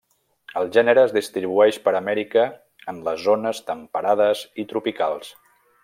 El gènere es distribueix per Amèrica en les zones temperades i tropicals.